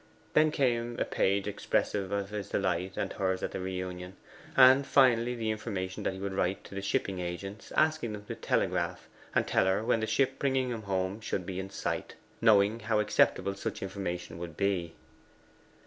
Then came a page expressive of his delight and hers at the reunion; and finally, the information that he would write to the shipping agents, asking them to telegraph and tell her when the ship bringing him home should be in sight knowing how acceptable such information would be.